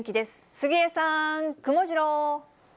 杉江さん、くもジロー。